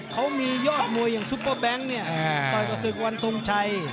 เขามียอดมวยอย่างซุปเปอร์แบงค์เนี่ยต่อยกับศึกวันทรงชัย